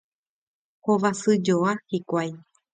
Hovasyjoa hikuái.